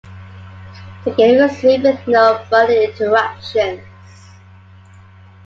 The game resumed with no further interruptions.